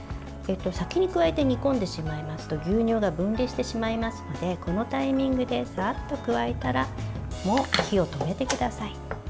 先に加えて煮込んでしまいますと牛乳が分離してしまいますのでこのタイミングでざっと加えたらもう火を止めてください。